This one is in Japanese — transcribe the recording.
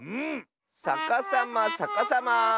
さかさまさかさま。